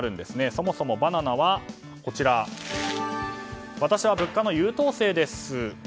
そもそもバナナは私は物価の優等生です。